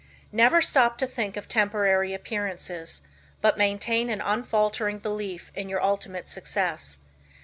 Never stop to think of temporary appearances, but maintain an unfaltering belief in your ultimate success.